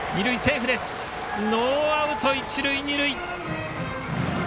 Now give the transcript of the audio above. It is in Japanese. ノーアウト一塁二塁。